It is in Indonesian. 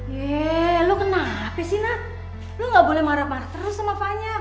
yee lo kenapa sih nat lo ga boleh marah marah terus sama fanya